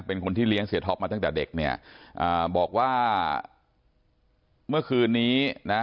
เป็นคนที่เลี้ยงเสียท็อปมาตั้งแต่เด็กเนี่ยอ่าบอกว่าเมื่อคืนนี้นะ